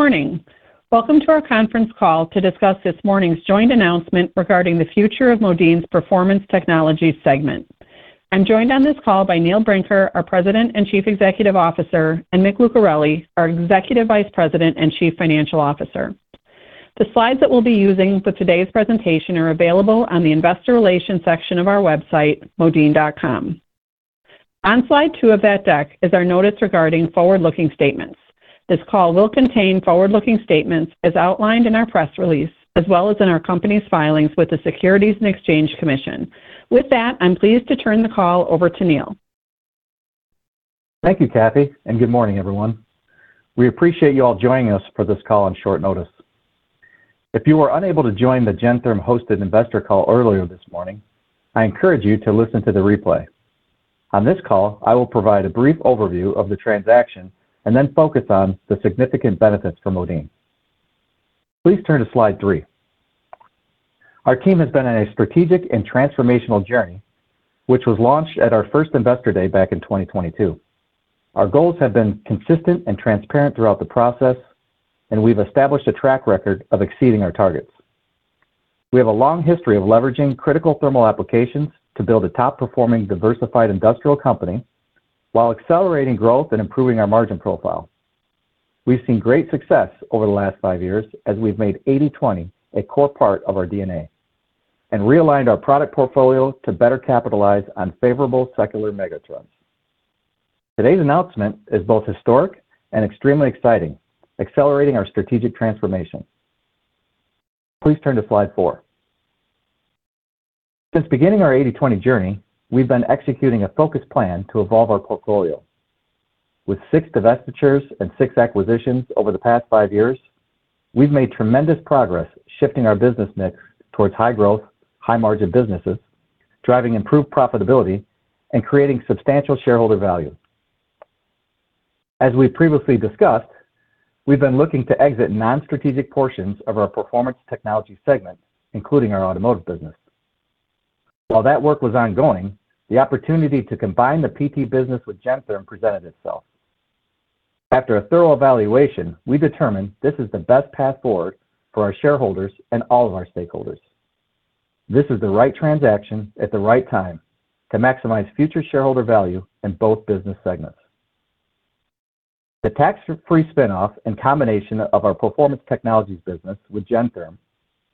Good morning! Welcome to our conference call to discuss this morning's joint announcement regarding the future of Modine's Performance Technologies segment. I'm joined on this call by Neil Brinker, our President and Chief Executive Officer, and Mick Lucareli, our Executive Vice President and Chief Financial Officer. The slides that we'll be using for today's presentation are available on the Investor Relations section of our website, modine.com. On slide two of that deck is our notice regarding forward-looking statements. This call will contain forward-looking statements as outlined in our press release, as well as in our company's filings with the Securities and Exchange Commission. With that, I'm pleased to turn the call over to Neil. Thank you, Kathy, and good morning, everyone. We appreciate you all joining us for this call on short notice. If you were unable to join the Gentherm-hosted investor call earlier this morning, I encourage you to listen to the replay. On this call, I will provide a brief overview of the transaction and then focus on the significant benefits for Modine. Please turn to slide three. Our team has been on a strategic and transformational journey, which was launched at our first Investor Day back in 2022. Our goals have been consistent and transparent throughout the process, and we've established a track record of exceeding our targets. We have a long history of leveraging critical thermal applications to build a top-performing, diversified industrial company while accelerating growth and improving our margin profile. We've seen great success over the last five years as we've made 80/20 a core part of our DNA and realigned our product portfolio to better capitalize on favorable secular megatrends. Today's announcement is both historic and extremely exciting, accelerating our strategic transformation. Please turn to slide four. Since beginning our 80/20 journey, we've been executing a focused plan to evolve our portfolio. With 6 divestitures and 6 acquisitions over the past 5 years, we've made tremendous progress shifting our business mix towards high growth, high margin businesses, driving improved profitability and creating substantial shareholder value. As we previously discussed, we've been looking to exit non-strategic portions of our Performance Technologies segment, including our automotive business. While that work was ongoing, the opportunity to combine the PT business with Gentherm presented itself. After a thorough evaluation, we determined this is the best path forward for our shareholders and all of our stakeholders. This is the right transaction at the right time to maximize future shareholder value in both business segments. The tax-free spinoff and combination of our Performance Technologies business with Gentherm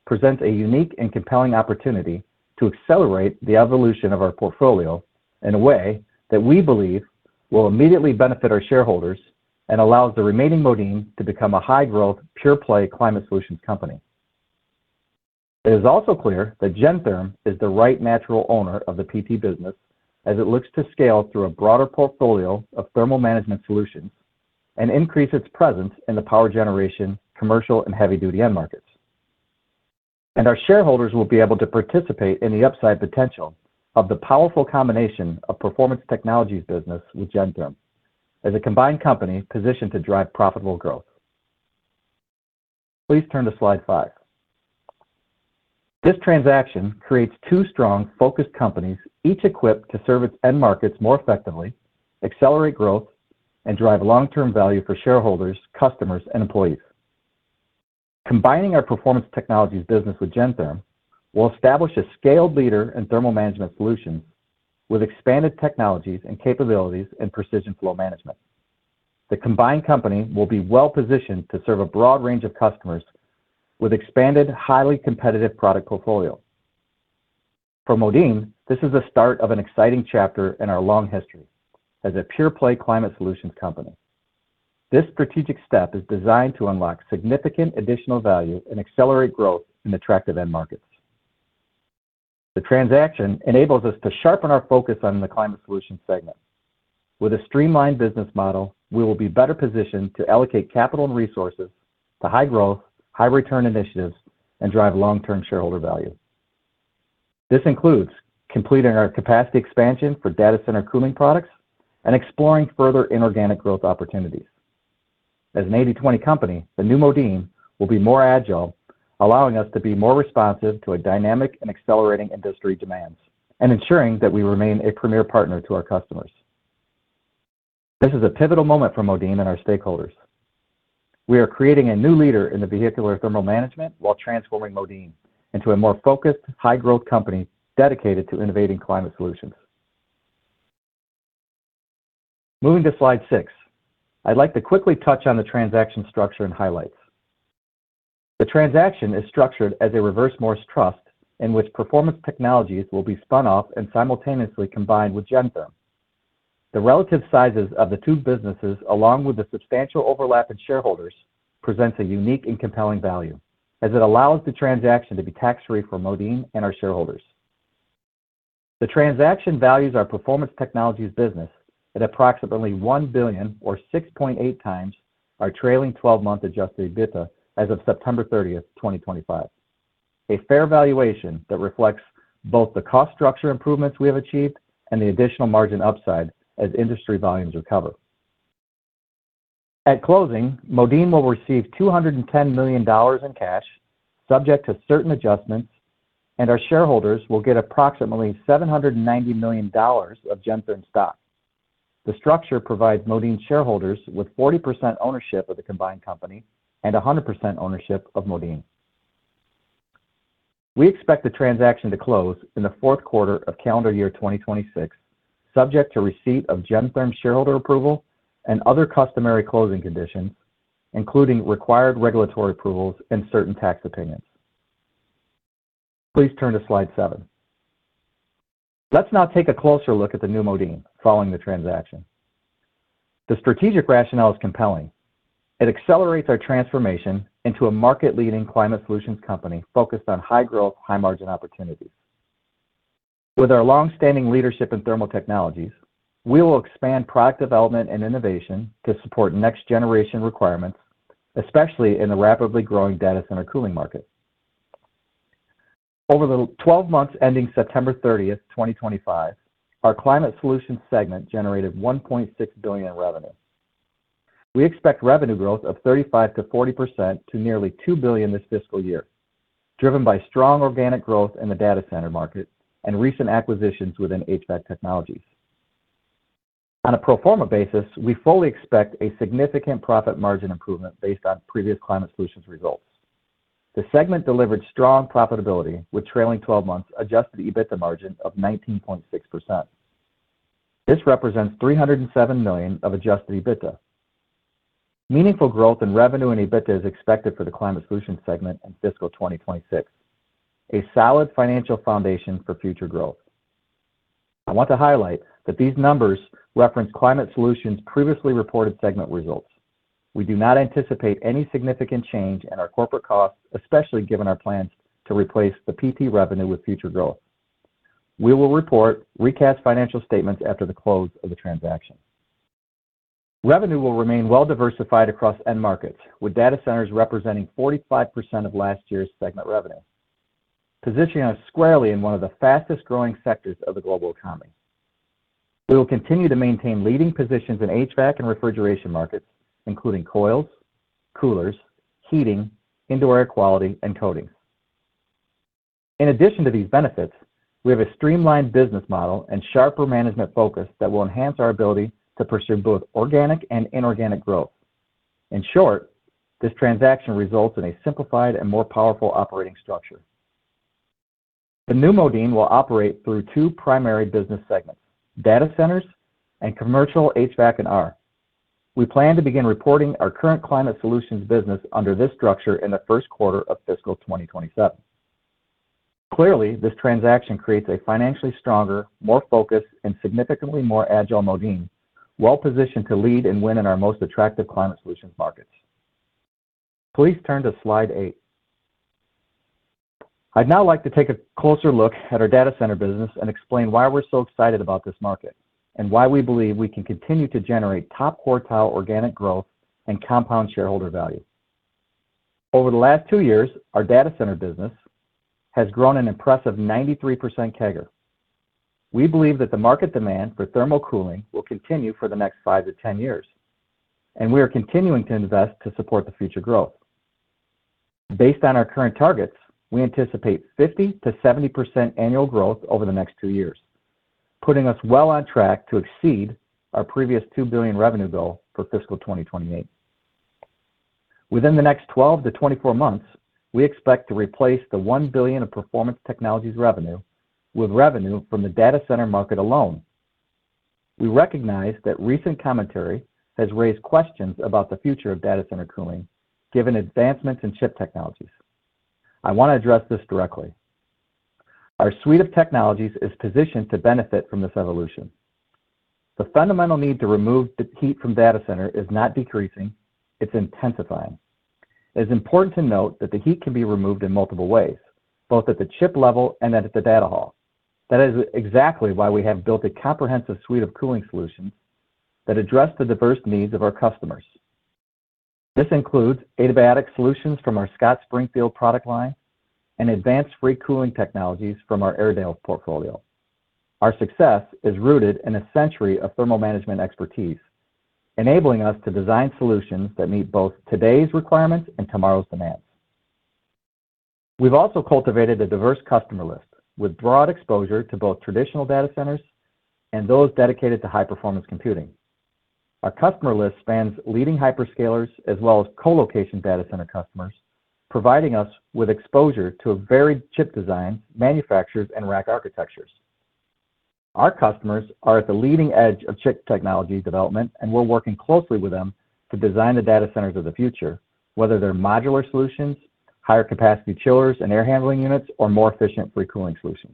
presents a unique and compelling opportunity to accelerate the evolution of our portfolio in a way that we believe will immediately benefit our shareholders and allows the remaining Modine to become a high-growth, pure-play Climate Solutions company. It is also clear that Gentherm is the right natural owner of the PT business as it looks to scale through a broader portfolio of thermal management solutions and increase its presence in the power generation, commercial, and heavy-duty end markets. Our shareholders will be able to participate in the upside potential of the powerful combination of Performance Technologies business with Gentherm as a combined company positioned to drive profitable growth. Please turn to slide five. This transaction creates two strong, focused companies, each equipped to serve its end markets more effectively, accelerate growth, and drive long-term value for shareholders, customers, and employees. Combining our Performance Technologies business with Gentherm will establish a scaled leader in thermal management solutions with expanded technologies and capabilities in precision flow management. The combined company will be well-positioned to serve a broad range of customers with expanded, highly competitive product portfolio. For Modine, this is the start of an exciting chapter in our long history as a pure-play Climate Solutions company. This strategic step is designed to unlock significant additional value and accelerate growth in attractive end markets. The transaction enables us to sharpen our focus on the climate solution segment. With a streamlined business model, we will be better positioned to allocate capital and resources to high growth, high return initiatives and drive long-term shareholder value. This includes completing our capacity expansion for data center cooling products and exploring further inorganic growth opportunities. As an 80/20 company, the new Modine will be more agile, allowing us to be more responsive to a dynamic and accelerating industry demands and ensuring that we remain a premier partner to our customers. This is a pivotal moment for Modine and our stakeholders. We are creating a new leader in the vehicular thermal management while transforming Modine into a more focused, high-growth company dedicated to innovating Climate Solutions. Moving to slide six, I'd like to quickly touch on the transaction structure and highlights. The transaction is structured as a Reverse Morris Trust, in which Performance Technologies will be spun off and simultaneously combined with Gentherm. The relative sizes of the two businesses, along with the substantial overlap in shareholders, presents a unique and compelling value, as it allows the transaction to be tax-free for Modine and our shareholders. The transaction values our Performance Technologies business at approximately $1 billion or 6.8 times our trailing twelve-month Adjusted EBITDA as of September 30, 2025. A fair valuation that reflects both the cost structure improvements we have achieved and the additional margin upside as industry volumes recover. At closing, Modine will receive $210 million in cash, subject to certain adjustments, and our shareholders will get approximately $790 million of Gentherm stock. The structure provides Modine shareholders with 40% ownership of the combined company and 100% ownership of Modine. We expect the transaction to close in the fourth quarter of calendar year 2026, subject to receipt of Gentherm shareholder approval and other customary closing conditions, including required regulatory approvals and certain tax opinions. Please turn to Slide seven. Let's now take a closer look at the new Modine following the transaction. The strategic rationale is compelling. It accelerates our transformation into a market-leading Climate Solutions company focused on high growth, high margin opportunities. With our long-standing leadership in thermal technologies, we will expand product development and innovation to support next generation requirements, especially in the rapidly growing data center cooling market. Over the 12 months ending September 30, 2025, our Climate Solutions segment generated $1.6 billion in revenue. We expect revenue growth of 35%-40% to nearly $2 billion this fiscal year, driven by strong organic growth in the data center market and recent acquisitions within HVAC technologies. On a pro forma basis, we fully expect a significant profit margin improvement based on previous Climate Solutions results. The segment delivered strong profitability, with trailing twelve months Adjusted EBITDA margin of 19.6%. This represents $307 million of Adjusted EBITDA. Meaningful growth in revenue and EBITDA is expected for the Climate Solutions segment in fiscal 2026, a solid financial foundation for future growth. I want to highlight that these numbers reference Climate Solutions previously reported segment results. We do not anticipate any significant change in our corporate costs, especially given our plans to replace the PT revenue with future growth. We will report recast financial statements after the close of the transaction. Revenue will remain well-diversified across end markets, with data centers representing 45% of last year's segment revenue, positioning us squarely in one of the fastest-growing sectors of the global economy. We will continue to maintain leading positions in HVAC and Refrigeration markets, including coils, coolers, heating, indoor air quality, and coatings. In addition to these benefits, we have a streamlined business model and sharper management focus that will enhance our ability to pursue both organic and inorganic growth. In short, this transaction results in a simplified and more powerful operating structure. The new Modine will operate through two primary business segments: data centers and commercial HVAC&R. We plan to begin reporting our current Climate Solutions business under this structure in the first quarter of fiscal 2027. Clearly, this transaction creates a financially stronger, more focused, and significantly more agile Modine, well-positioned to lead and win in our most attractive Climate Solutions markets. Please turn to Slide eight. I'd now like to take a closer look at our data center business and explain why we're so excited about this market, and why we believe we can continue to generate top-quartile organic growth and compound shareholder value. Over the last 2 years, our data center business has grown an impressive 93% CAGR. We believe that the market demand for thermal cooling will continue for the next 5-10 years, and we are continuing to invest to support the future growth. Based on our current targets, we anticipate 50%-70% annual growth over the next 2 years, putting us well on track to exceed our previous $2 billion revenue goal for fiscal 2028. Within the next 12-24 months, we expect to replace the $1 billion of Performance Technologies revenue with revenue from the data center market alone. We recognize that recent commentary has raised questions about the future of data center cooling, given advancements in chip technologies. I want to address this directly. Our suite of technologies is positioned to benefit from this evolution. The fundamental need to remove the heat from data center is not decreasing. It's intensifying. It is important to note that the heat can be removed in multiple ways, both at the chip level and then at the data hall. That is exactly why we have built a comprehensive suite of cooling solutions that address the diverse needs of our customers. This includes adiabatic solutions from our Scott Springfield product line and advanced free cooling technologies from our Airedale portfolio. Our success is rooted in a century of thermal management expertise, enabling us to design solutions that meet both today's requirements and tomorrow's demands. We've also cultivated a diverse customer list with broad exposure to both traditional data centers and those dedicated to high-performance computing. Our customer list spans leading hyperscalers as well as colocation data center customers, providing us with exposure to a varied chip design, manufacturers, and rack architectures. Our customers are at the leading edge of chip technology development, and we're working closely with them to design the data centers of the future, whether they're modular solutions, higher capacity chillers and air handling units, or more efficient free cooling solutions.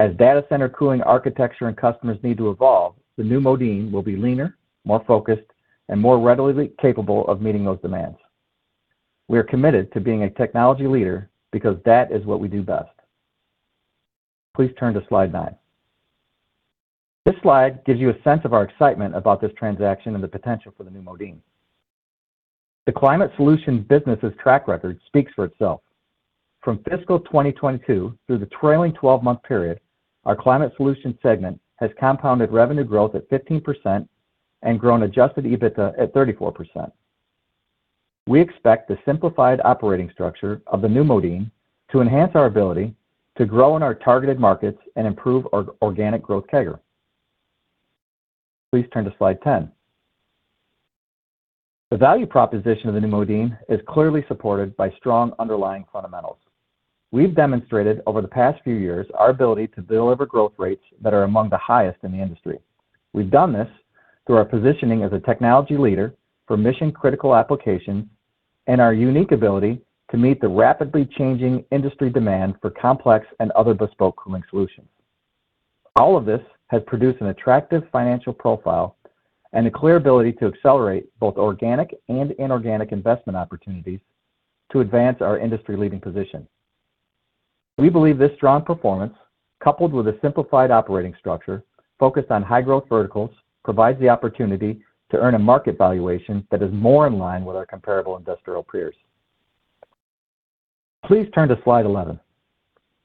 As data center cooling, architecture, and customers need to evolve, the new Modine will be leaner, more focused, and more readily capable of meeting those demands. We are committed to being a technology leader because that is what we do best. Please turn to Slide nine. This slide gives you a sense of our excitement about this transaction and the potential for the new Modine. The Climate Solutions business's track record speaks for itself. From fiscal 2022 through the trailing twelve-month period, our Climate Solutions segment has compounded revenue growth at 15% and grown Adjusted EBITDA at 34%.... We expect the simplified operating structure of the new Modine to enhance our ability to grow in our targeted markets and improve our organic growth CAGR. Please turn to Slide ten. The value proposition of the new Modine is clearly supported by strong underlying fundamentals. We've demonstrated over the past few years, our ability to deliver growth rates that are among the highest in the industry. We've done this through our positioning as a technology leader for mission-critical applications, and our unique ability to meet the rapidly changing industry demand for complex and other bespoke cooling solutions. All of this has produced an attractive financial profile and a clear ability to accelerate both organic and inorganic investment opportunities to advance our industry-leading position. We believe this strong performance, coupled with a simplified operating structure, focused on high growth verticals, provides the opportunity to earn a market valuation that is more in line with our comparable industrial peers. Please turn to slide 11.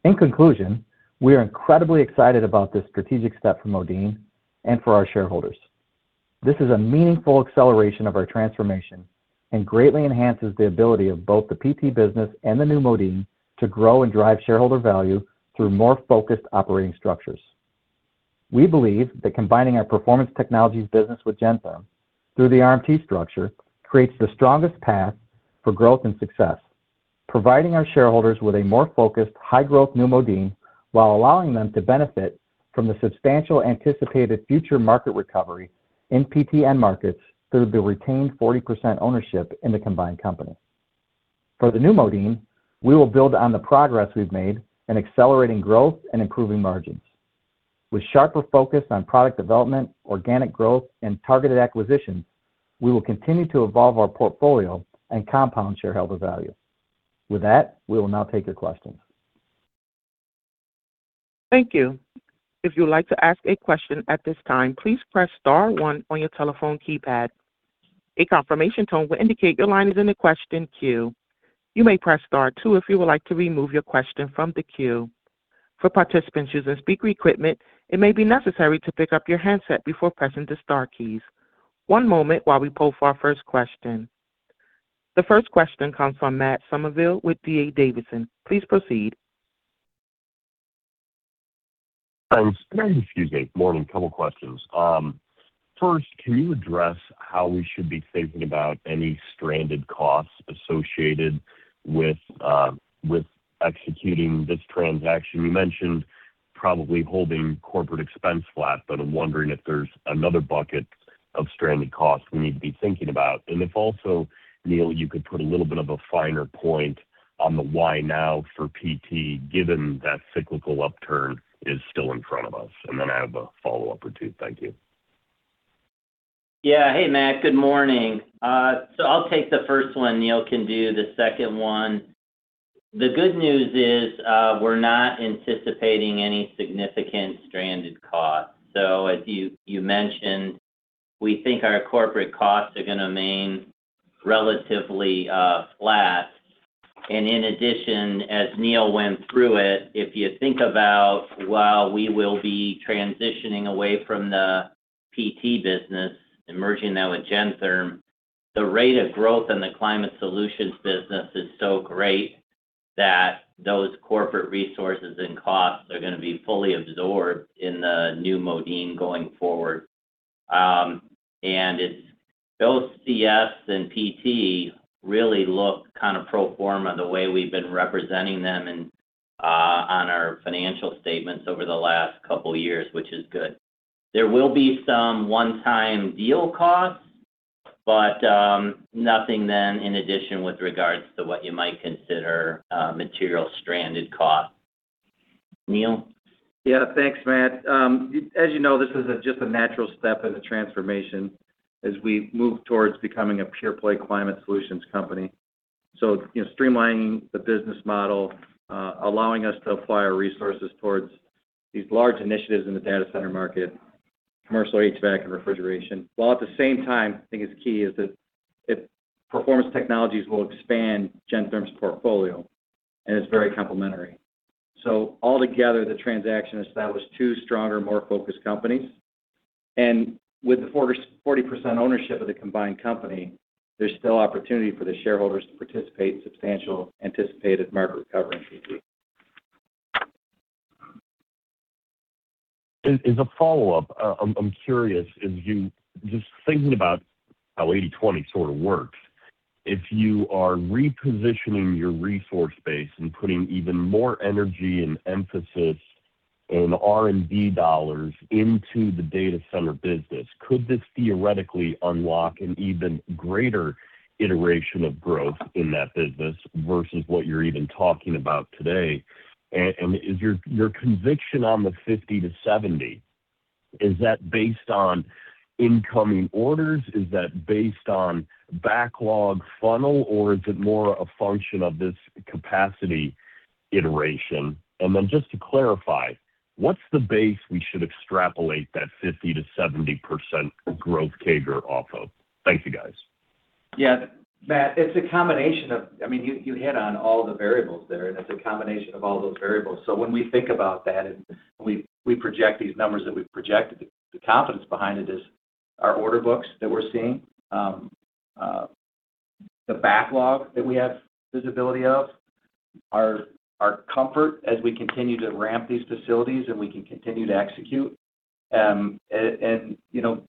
In conclusion, we are incredibly excited about this strategic step for Modine and for our shareholders. This is a meaningful acceleration of our transformation and greatly enhances the ability of both the PT business and the new Modine to grow and drive shareholder value through more focused operating structures. We believe that combining our Performance Technologies business with Gentherm through the RMT structure, creates the strongest path for growth and success, providing our shareholders with a more focused, high-growth new Modine, while allowing them to benefit from the substantial anticipated future market recovery in PT end markets through the retained 40% ownership in the combined company. For the new Modine, we will build on the progress we've made in accelerating growth and improving margins. With sharper focus on product development, organic growth, and targeted acquisitions, we will continue to evolve our portfolio and compound shareholder value. With that, we will now take your questions. Thank you. If you would like to ask a question at this time, please press star one on your telephone keypad. A confirmation tone will indicate your line is in the question queue. You may press star two if you would like to remove your question from the queue. For participants using speaker equipment, it may be necessary to pick up your handset before pressing the star keys. One moment while we poll for our first question. The first question comes from Matt Summerville with D.A. Davidson. Please proceed. Thanks. Excuse me. Morning. Couple questions. First, can you address how we should be thinking about any stranded costs associated with executing this transaction? You mentioned probably holding corporate expense flat, but I'm wondering if there's another bucket of stranded costs we need to be thinking about. And if also, Neil, you could put a little bit of a finer point on the why now for PT, given that cyclical upturn is still in front of us, and then I have a follow-up or two. Thank you. Yeah. Hey, Matt, good morning. So I'll take the first one, Neil can do the second one. The good news is, we're not anticipating any significant stranded costs. So as you mentioned, we think our corporate costs are gonna remain relatively flat. And in addition, as Neil went through it, if you think about while we will be transitioning away from the PT business and merging that with Gentherm, the rate of growth in the Climate Solutions business is so great that those corporate resources and costs are gonna be fully absorbed in the new Modine going forward. And it's both CS and PT really look kind of pro forma, the way we've been representing them in on our financial statements over the last couple of years, which is good. There will be some one-time deal costs, but, nothing then in addition, with regards to what you might consider, material stranded costs. Neil? Yeah. Thanks, Matt. As you know, this is a just a natural step in the transformation as we move towards becoming a pure-play Climate Solutions company. So, you know, streamlining the business model, allowing us to apply our resources towards these large initiatives in the data center market, commercial HVAC and refrigeration, while at the same time, I think is key, is that it Performance Technologies will expand Gentherm's portfolio, and it's very complementary. So altogether, the transaction established two stronger, more focused companies. And with the 40-40% ownership of the combined company, there's still opportunity for the shareholders to participate in substantial anticipated market recovery. As a follow-up, I'm, I'm curious, as you just thinking about how 80/20 sort of works, if you are repositioning your resource base and putting even more energy and emphasis and R&D dollars into the data center business, could this theoretically unlock an even greater iteration of growth in that business versus what you're even talking about today? And, and is your, your conviction on the 50-70, is that based on incoming orders? Is that based on backlog funnel, or is it more a function of this capacity iteration? And then just to clarify, what's the base we should extrapolate that 50%-70% growth CAGR off of? Thank you, guys. Yeah, Matt, it's a combination of—I mean, you, you hit on all the variables there, and it's a combination of all those variables. So when we think about that, and we, we project these numbers that we've projected, the confidence behind it is our order books that we're seeing. The backlog that we have visibility of, our, our comfort as we continue to ramp these facilities and we can continue to execute. And, you know,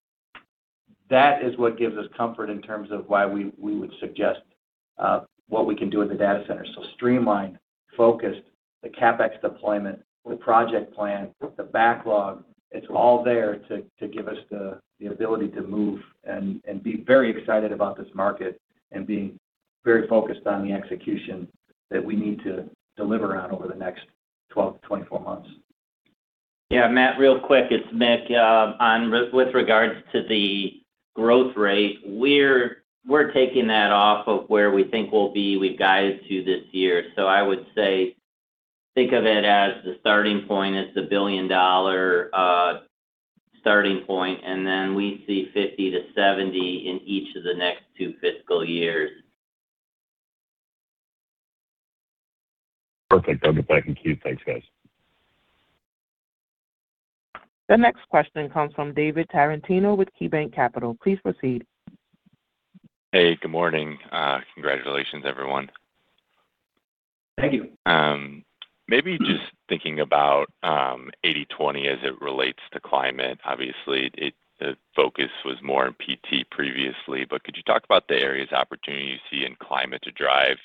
that is what gives us comfort in terms of why we, we would suggest what we can do with the data center. Streamlined, focused, the CapEx deployment, the project plan, the backlog, it's all there to give us the ability to move and be very excited about this market and being very focused on the execution that we need to deliver on over the next 12-24 months. Yeah, Matt, real quick, it's Mick. With regards to the growth rate, we're taking that off of where we think we'll be, we've guided you this year. So I would say, think of it as the starting point. It's a billion-dollar starting point, and then we see $50 million-$70 million in each of the next two fiscal years. Perfect. I'll get back in queue. Thanks, guys. The next question comes from David Tarantino with KeyBanc Capital. Please proceed. Hey, good morning. Congratulations, everyone. Thank you. Maybe just thinking about 80/20 as it relates to climate. Obviously, it, the focus was more on PT previously, but could you talk about the areas of opportunity you see in climate to drive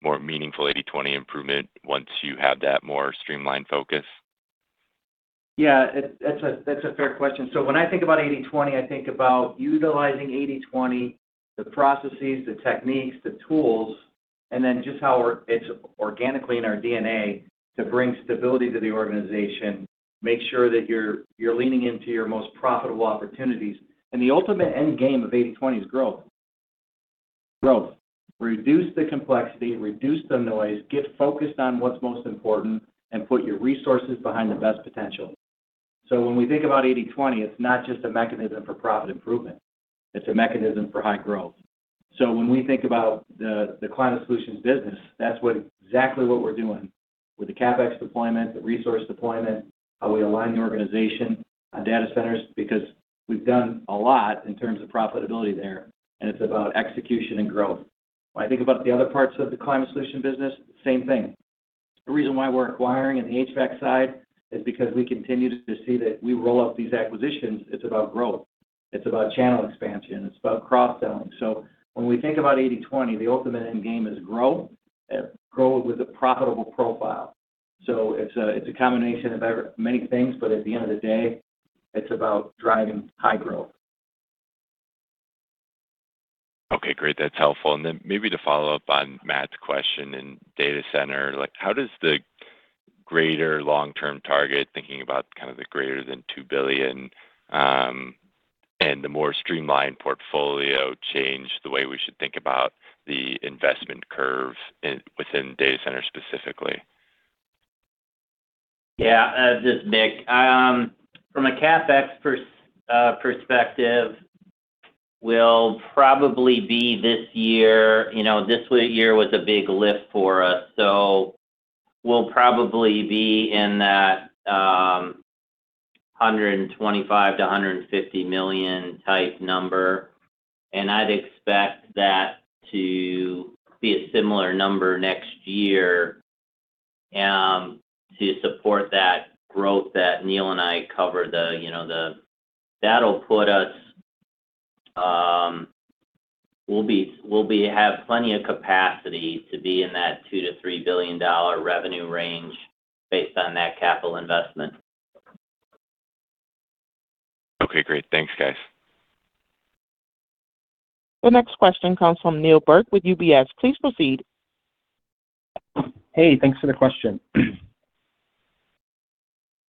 more meaningful 80/20 improvement once you have that more streamlined focus? Yeah, that's a, that's a fair question. So when I think about 80/20, I think about utilizing 80/20, the processes, the techniques, the tools, and then just how it's organically in our DNA to bring stability to the organization, make sure that you're, you're leaning into your most profitable opportunities. And the ultimate end game of 80/20 is growth. Growth. Reduce the complexity, reduce the noise, get focused on what's most important, and put your resources behind the best potential. So when we think about 80/20, it's not just a mechanism for profit improvement, it's a mechanism for high growth. So when we think about the, the Climate Solutions business, that's what, exactly what we're doing with the CapEx deployment, the resource deployment, how we align the organization on data centers, because we've done a lot in terms of profitability there, and it's about execution and growth. When I think about the other parts of the climate solution business, same thing. The reason why we're acquiring in the HVAC side is because we continue to see that we roll up these acquisitions, it's about growth, it's about channel expansion, it's about cross-selling. So when we think about 80/20, the ultimate end game is growth, growth with a profitable profile. So it's a, it's a combination of many things, but at the end of the day, it's about driving high growth. Okay, great. That's helpful. And then maybe to follow up on Matt's question in data center, like, how does the greater long-term target, thinking about kind of the greater than $2 billion, and the more streamlined portfolio change the way we should think about the investment curve within data center specifically? Yeah, this is Mick. From a CapEx perspective, we'll probably be this year. You know, this year was a big lift for us, so we'll probably be in that $125 million-$150 million type number, and I'd expect that to be a similar number next year to support that growth that Neil and I covered, you know. That'll put us. We'll be, we'll be, have plenty of capacity to be in that $2 billion-$3 billion revenue range based on that capital investment. Okay, great. Thanks, guys. The next question comes from Neal Burk with UBS. Please proceed. Hey, thanks for the question.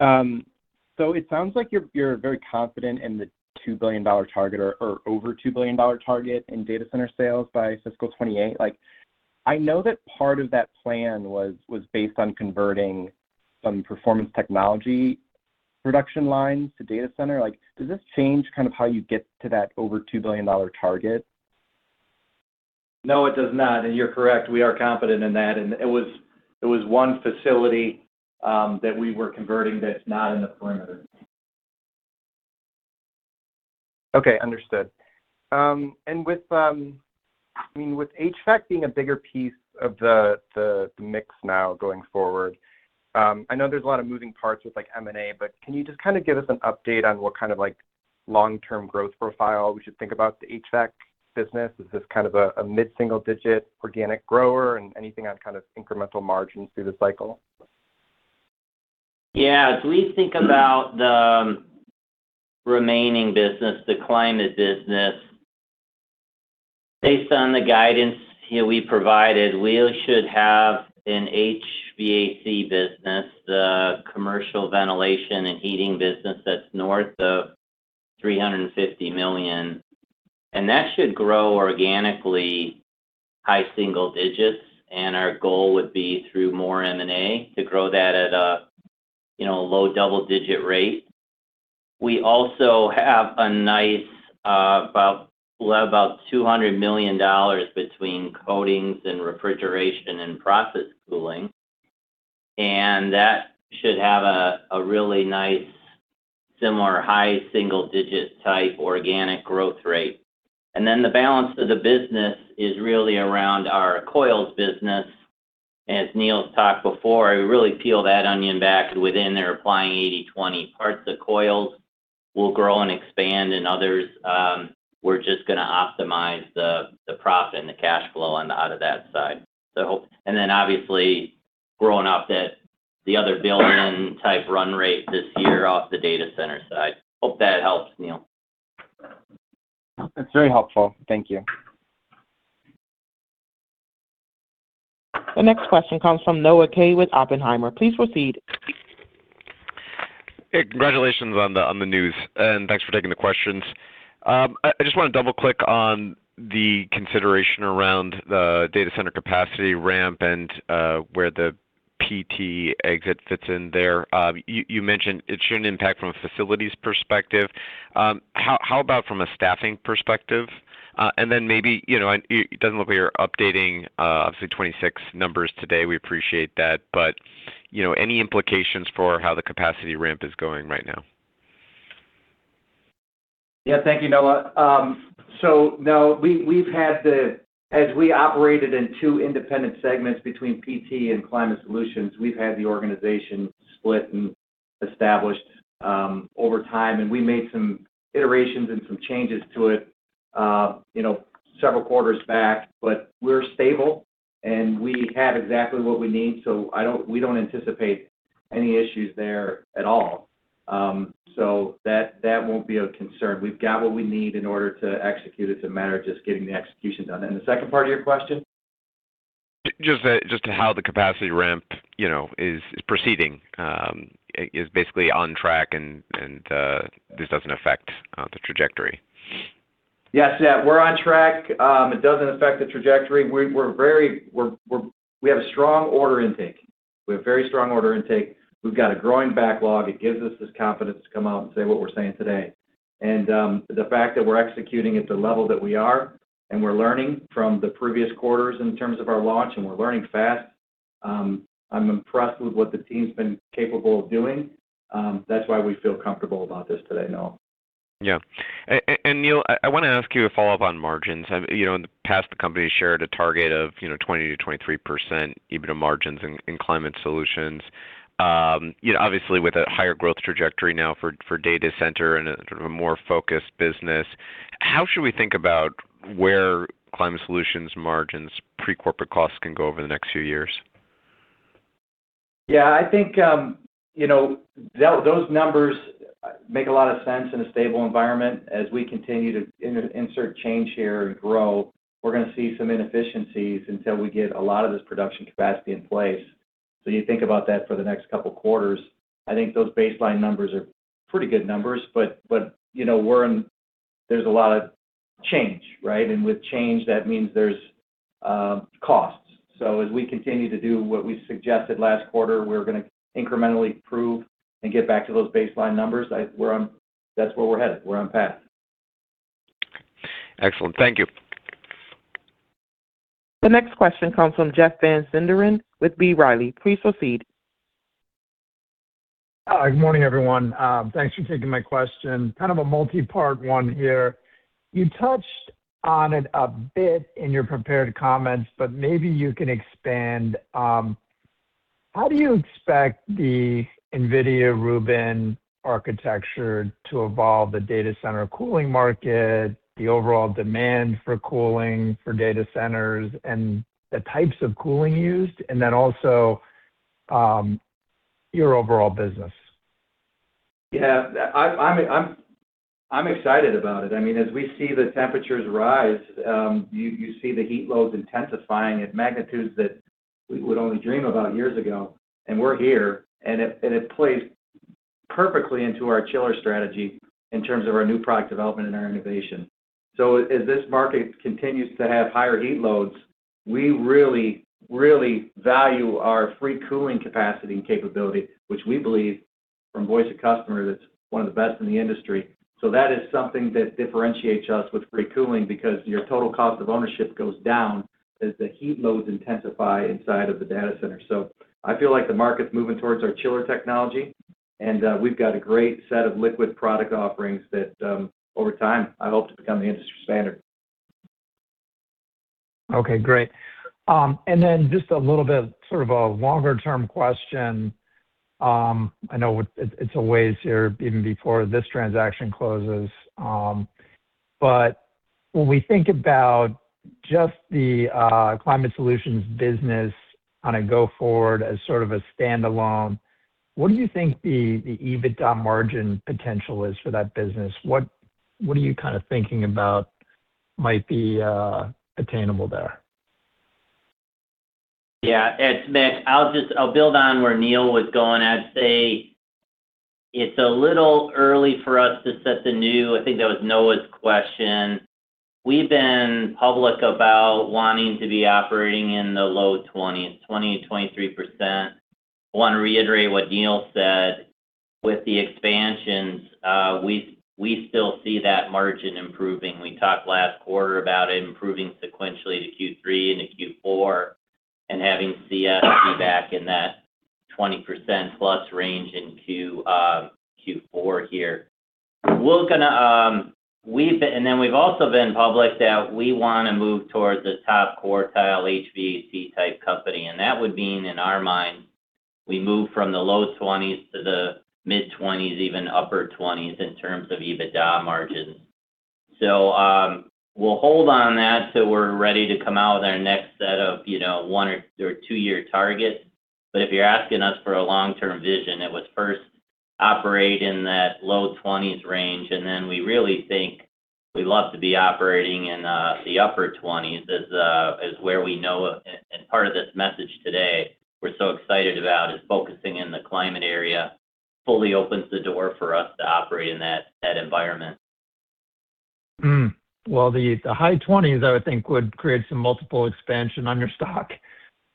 So it sounds like you're very confident in the $2 billion target or over $2 billion target in data center sales by fiscal 2028. Like, I know that part of that plan was based on converting some performance technology production lines to data center. Like, does this change kind of how you get to that over $2 billion target? No, it does not. You're correct, we are confident in that, and it was one facility that we were converting that's not in the perimeter. Okay, understood. And with, I mean, with HVAC being a bigger piece of the mix now going forward, I know there's a lot of moving parts with, like, M&A, but can you just kind of give us an update on what kind of, like, long-term growth profile we should think about the HVAC business? Is this kind of a mid-single-digit organic grower? And anything on kind of incremental margins through the cycle? Yeah. As we think about the remaining business, the climate business, based on the guidance, you know, we provided, we should have an HVAC business, the commercial ventilation and heating business that's north of $350 million, and that should grow organically high single digits, and our goal would be through more M&A to grow that at a, you know, low double-digit rate. We also have a nice about $200 million between coatings and refrigeration and process cooling, and that should have a really nice, similar high single digit type organic growth rate. And then the balance of the business is really around our coils business. As Neil's talked before, we really peel that onion back, and within there, applying 80/20. Parts of coils will grow and expand, and others, we're just gonna optimize the profit and the cash flow on the out of that side. So. And then obviously, growing up that the other built-in type run rate this year off the data center side. Hope that helps, Neil. That's very helpful. Thank you. The next question comes from Noah Kaye with Oppenheimer. Please proceed. Hey, congratulations on the news, and thanks for taking the questions. I just wanna double-click on the consideration around the data center capacity ramp and where the PT exit fits in there. You mentioned it shouldn't impact from a facilities perspective. How about from a staffing perspective? And then maybe, you know, and it doesn't look like you're updating, obviously, 2026 numbers today. We appreciate that, but, you know, any implications for how the capacity ramp is going right now? Yeah. Thank you, Noah. So, Noah, we've had, as we operated in two independent segments between PT and Climate Solutions, we've had the organization split and established over time, and we made some iterations and some changes to it, you know, several quarters back. But we're stable, and we have exactly what we need, so we don't anticipate any issues there at all. So that, that won't be a concern. We've got what we need in order to execute it. It's a matter of just getting the execution done. The second part of your question? Just, just how the capacity ramp, you know, is proceeding. Is basically on track, and this doesn't affect the trajectory. Yes. Yeah, we're on track. It doesn't affect the trajectory. We have a strong order intake. We have very strong order intake. We've got a growing backlog. It gives us this confidence to come out and say what we're saying today. The fact that we're executing at the level that we are, and we're learning from the previous quarters in terms of our launch, and we're learning fast, I'm impressed with what the team's been capable of doing. That's why we feel comfortable about this today, Noah. Yeah. And, Neil, I wanna ask you a follow-up on margins. You know, in the past, the company shared a target of, you know, 20%-23% EBITDA margins in Climate Solutions. You know, obviously, with a higher growth trajectory now for data center and a sort of a more focused business, how should we think about where Climate Solutions margins pre-corporate costs can go over the next few years? Yeah, I think, you know, those numbers make a lot of sense in a stable environment. As we continue to insert change here and grow, we're gonna see some inefficiencies until we get a lot of this production capacity in place. So you think about that for the next couple quarters, I think those baseline numbers are pretty good numbers, but, you know, we're in, there's a lot of change, right? And with change, that means there's costs. So as we continue to do what we suggested last quarter, we're gonna incrementally improve and get back to those baseline numbers. We're on... That's where we're headed. We're on path. Excellent. Thank you. The next question comes from Jeff Van Sinderen with B. Riley. Please proceed. Hi, good morning, everyone. Thanks for taking my question. Kind of a multipart one here. You touched on it a bit in your prepared comments, but maybe you can expand, how do you expect the NVIDIA Rubin architecture to evolve the data center cooling market, the overall demand for cooling for data centers, and the types of cooling used, and then also, your overall business? Yeah, I'm excited about it. I mean, as we see the temperatures rise, you see the heat loads intensifying at magnitudes that we would only dream about years ago. And we're here, and it plays perfectly into our chiller strategy in terms of our new product development and our innovation. So as this market continues to have higher heat loads, we really, really value our free cooling capacity and capability, which we believe, from voice of customer, that's one of the best in the industry. So that is something that differentiates us with free cooling, because your total cost of ownership goes down as the heat loads intensify inside of the data center. I feel like the market's moving towards our chiller technology, and we've got a great set of liquid product offerings that I hope to become the industry standard. Okay, great. And then just a little bit, sort of a longer-term question. I know it, it's a ways here, even before this transaction closes, but when we think about just the, Climate Solutions business on a go-forward as sort of a standalone, what do you think the EBITDA margin potential is for that business? What are you kind of thinking about might be attainable there? Yeah. It's Mick. I'll just— I'll build on where Neil was going. I'd say it's a little early for us to set the new. I think that was Noah's question. We've been public about wanting to be operating in the low 20s, 20%-23%. I wanna reiterate what Neil said. With the expansions, we still see that margin improving. We talked last quarter about it improving sequentially to Q3 and to Q4, and having CS be back in that 20%+ range in Q4 here. We're gonna. And then we've also been public that we wanna move towards a top-quartile HVAC type company, and that would mean, in our mind, we move from the low 20s to the mid-20s, even upper 20s, in terms of EBITDA margins. So, we'll hold on that, so we're ready to come out with our next set of, you know, one or two-year targets. But if you're asking us for a long-term vision, it was first operate in that low twenties range, and then we really think we'd love to be operating in, the upper twenties, is, is where we know. And part of this message today, we're so excited about, is focusing in the climate area, fully opens the door for us to operate in that, that environment. Well, the high 20s, I would think, would create some multiple expansion on your stock.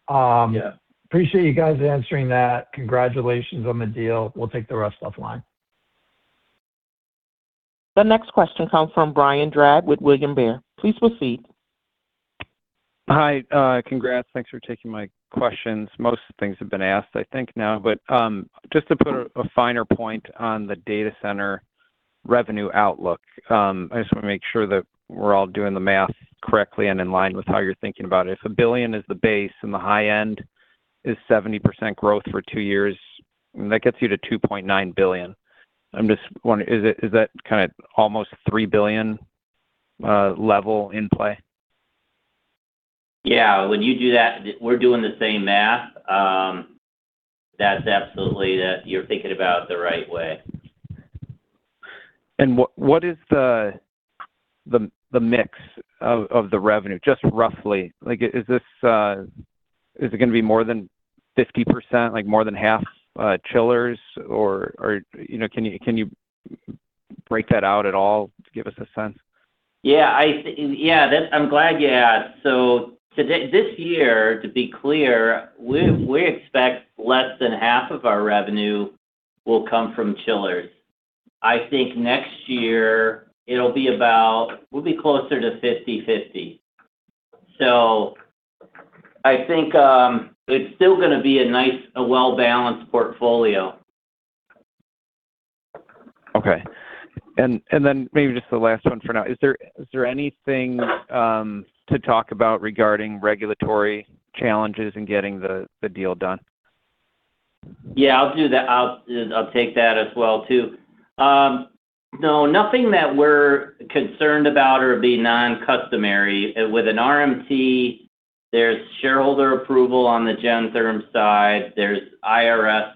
Yeah. Appreciate you guys answering that. Congratulations on the deal. We'll take the rest offline. The next question comes from Brian Drab with William Blair. Please proceed. Hi, congrats. Thanks for taking my questions. Most of the things have been asked, I think now, but just to put a finer point on the data center revenue outlook, I just want to make sure that we're all doing the math correctly and in line with how you're thinking about it. If $1 billion is the base, and the high end is 70% growth for two years, that gets you to $2.9 billion. I'm just wondering, is it, is that kind of almost $3 billion level in play? Yeah, when you do that, we're doing the same math. That's absolutely that you're thinking about the right way. What is the mix of the revenue, just roughly? Like, is it gonna be more than 50%, like, more than half, chillers? Or, you know, can you break that out at all to give us a sense? Yeah, I'm glad you asked. So today, this year, to be clear, we expect less than half of our revenue will come from chillers. I think next year it'll be about, we'll be closer to 50/50. So I think it's still gonna be a nice, well-balanced portfolio. Okay. And then maybe just the last one for now. Is there anything to talk about regarding regulatory challenges in getting the deal done? Yeah, I'll do that. I'll, I'll take that as well, too. No, nothing that we're concerned about or be non-customary. With an RMT, there's shareholder approval on the Gentherm side, there's IRS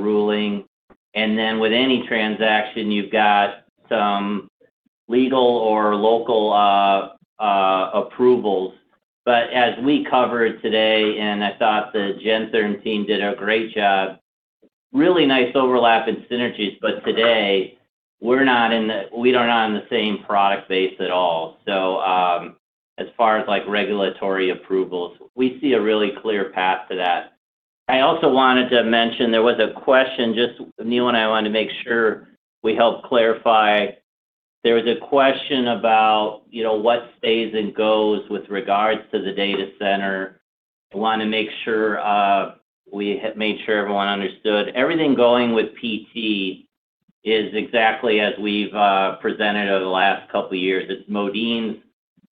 ruling, and then with any transaction, you've got some legal or local approvals. But as we covered today, and I thought the Gentherm team did a great job, really nice overlap in synergies, but today, we're not in the, we are not on the same product base at all. So, as far as, like, regulatory approvals, we see a really clear path to that. I also wanted to mention there was a question, just, Neil and I wanted to make sure we helped clarify. There was a question about, you know, what stays and goes with regards to the data center. I want to make sure we have made sure everyone understood. Everything going with PT is exactly as we've presented over the last couple of years. It's Modine's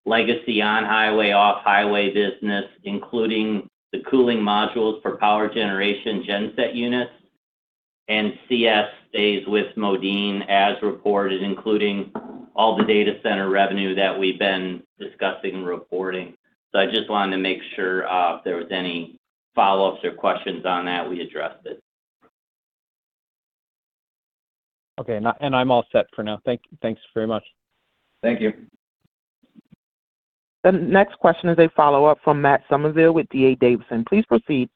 legacy on-highway, off-highway business, including the cooling modules for power generation genset units, and CS stays with Modine as reported, including all the data center revenue that we've been discussing and reporting. So I just wanted to make sure, if there was any follow-ups or questions on that, we addressed it. Okay. I'm all set for now. Thanks very much. Thank you. The next question is a follow-up from Matt Summerville with D.A. Davidson. Please proceed.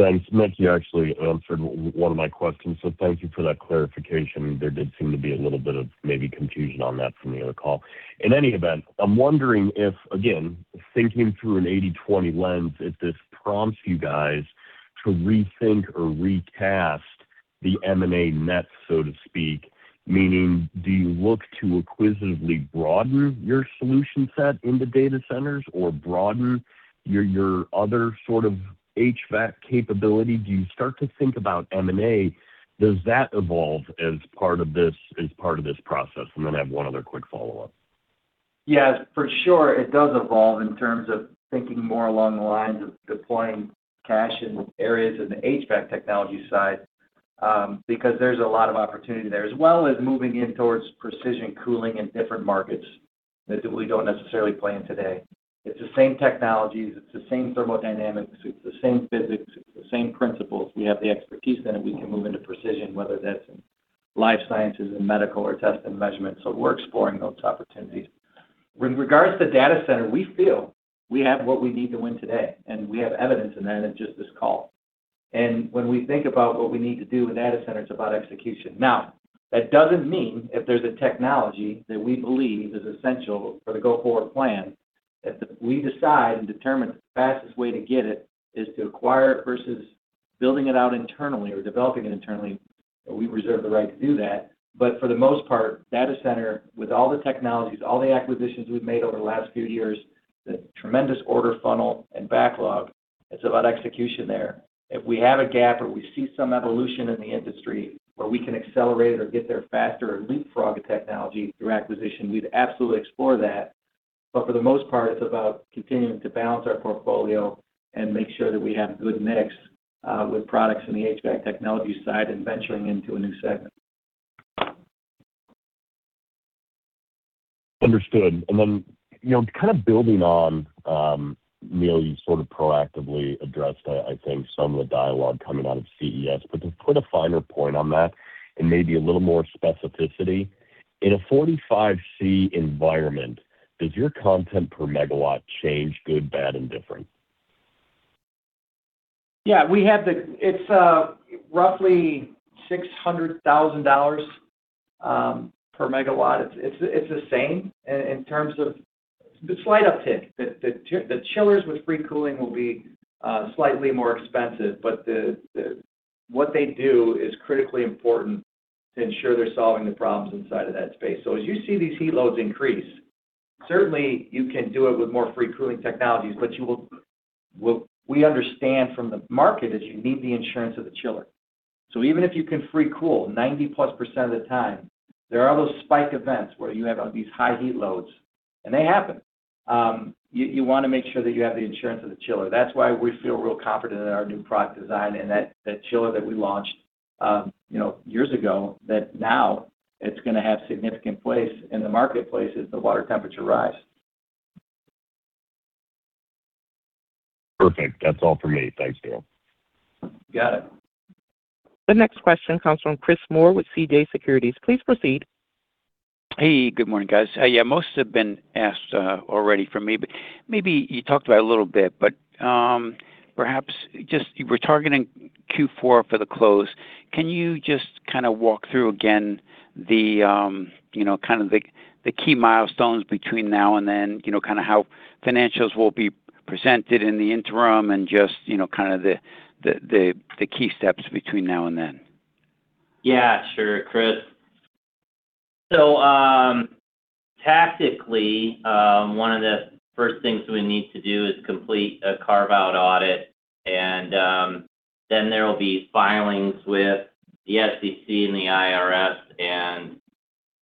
Thanks, Mick, you actually answered one of my questions, so thank you for that clarification. There did seem to be a little bit of maybe confusion on that from the other call. In any event, I'm wondering if, again, thinking through an 80/20 lens, if this prompts you guys to rethink or recast the M&A net, so to speak, meaning, do you look to acquisitively broaden your solution set in the data centers or broaden your, your other sort of HVAC capability? Do you start to think about M&A? Does that evolve as part of this, as part of this process? And then I have one other quick follow-up. Yes, for sure, it does evolve in terms of thinking more along the lines of deploying cash in areas in the HVAC technology side, because there's a lot of opportunity there, as well as moving in towards precision cooling in different markets that we don't necessarily play in today. It's the same technologies, it's the same thermodynamics, it's the same physics, it's the same principles. We have the expertise, then we can move into precision, whether that's in life sciences and medical or test and measurement. So we're exploring those opportunities. With regards to data center, we feel we have what we need to win today, and we have evidence in that in just this call. And when we think about what we need to do in data centers, it's about execution. Now, that doesn't mean if there's a technology that we believe is essential for the go-forward plan-... If we decide and determine the fastest way to get it is to acquire it versus building it out internally or developing it internally, we reserve the right to do that. But for the most part, data center, with all the technologies, all the acquisitions we've made over the last few years, the tremendous order funnel and backlog, it's about execution there. If we have a gap or we see some evolution in the industry where we can accelerate it or get there faster or leapfrog a technology through acquisition, we'd absolutely explore that. But for the most part, it's about continuing to balance our portfolio and make sure that we have a good mix with products in the HVAC technology side and venturing into a new segment. Understood. Then, you know, kind of building on, Neil, you sort of proactively addressed, I think, some of the dialogue coming out of CES, but to put a finer point on that and maybe a little more specificity, in a 45 degrees Celsius environment, does your content per megawatt change, good, bad, and different? Yeah, we have the-- It's roughly $600,000 per megawatt. It's the same in terms of the slight uptick. The chillers with free cooling will be slightly more expensive, but what they do is critically important to ensure they're solving the problems inside of that space. So as you see these heat loads increase, certainly, you can do it with more free cooling technologies, but you will-- We understand from the market is you need the insurance of the chiller. So even if you can free cool 90%+ of the time, there are those spike events where you have these high heat loads, and they happen. You wanna make sure that you have the insurance of the chiller. That's why we feel real confident in our new product design and that, that chiller that we launched, you know, years ago, that now it's gonna have significant place in the marketplace as the water temperature rise. Perfect. That's all for me. Thanks, Neil. Got it. The next question comes from Chris Moore with CJS Securities. Please proceed. Hey, good morning, guys. Yeah, most have been asked already from me, but maybe you talked about it a little bit, but perhaps just you were targeting Q4 for the close. Can you just kinda walk through again the key milestones between now and then, you know, kinda how financials will be presented in the interim and just, you know, kinda the key steps between now and then? Yeah, sure, Chris. So, tactically, one of the first things we need to do is complete a carve-out audit, and then there will be filings with the SEC and the IRS, and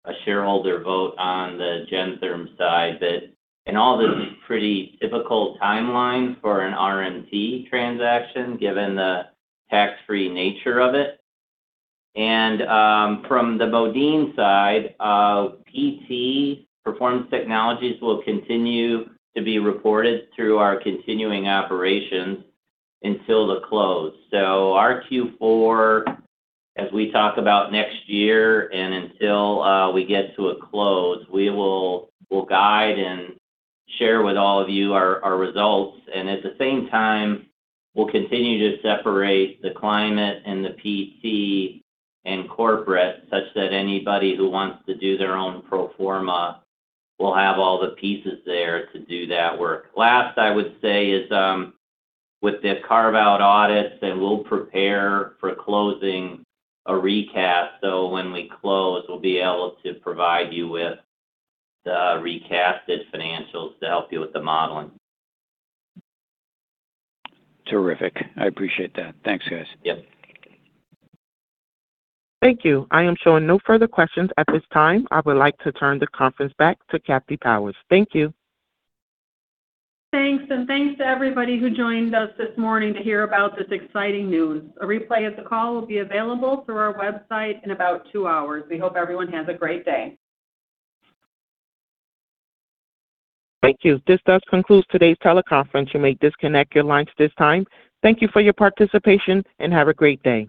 a shareholder vote on the Gentherm side that, in all, this is a pretty typical timeline for an RMT transaction, given the tax-free nature of it. And, from the Modine side, PT, Performance Technologies, will continue to be reported through our continuing operations until the close. So our Q4, as we talk about next year and until we get to a close, we'll guide and share with all of you our, our results, and at the same time, we'll continue to separate the climate and the PT and corporate, such that anybody who wants to do their own pro forma will have all the pieces there to do that work. Last, I would say is with the carve out audits, and we'll prepare for closing a recast. So when we close, we'll be able to provide you with the recast financials to help you with the modeling. Terrific. I appreciate that. Thanks, guys. Yep. Thank you. I am showing no further questions at this time. I would like to turn the conference back to Kathy Powers. Thank you. Thanks, and thanks to everybody who joined us this morning to hear about this exciting news. A replay of the call will be available through our website in about two hours. We hope everyone has a great day. Thank you. This does conclude today's teleconference. You may disconnect your lines at this time. Thank you for your participation, and have a great day.